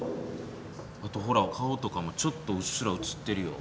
あとほら顔とかもちょっとうっすらうつってるよ。